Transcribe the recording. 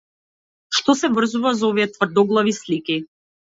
Што се врзува за овие тврдоглави слики?